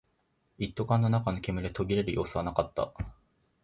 一斗缶の中の煙は途切れる様子はなかった